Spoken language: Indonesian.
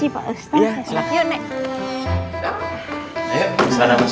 makasih pak ustaz